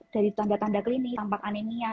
dari tanda tanda klinik tampak anemia